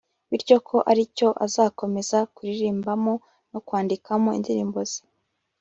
bityo ko aricyo azakomeza kuririmbamo no kwandikamo indirimbo ze